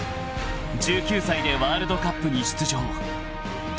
［１９歳でワールドカップに出場］